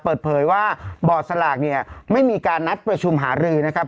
เปิดเผยว่าบอร์ดสลากเนี่ยไม่มีการนัดประชุมหารือนะครับ